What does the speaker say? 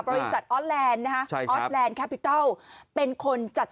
บริษัทออทแลนด์นะฮะใช่ครับออทแลนด์แคปปิตัลเป็นคนจัด